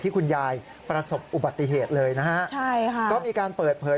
คุณยายประสบอุบัติเหตุเลยนะฮะใช่ค่ะก็มีการเปิดเผย